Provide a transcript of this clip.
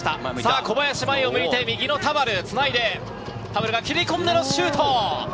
小林、前を向いて、右の田原つないで、田原が蹴り込んでのシュート。